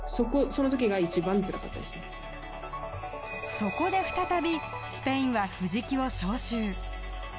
そこで再び、スペインは藤木を招集。